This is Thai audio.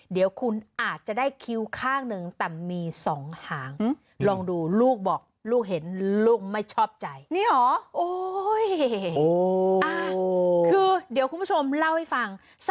เดี๋ยวคุณอาจจะได้คิ้วข้างนึงแต่มีสองหาง